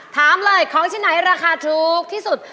ถามเลยของที่ไหนราคาถูกที่สุด